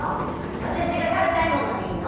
わたしがたべたいものでいいの？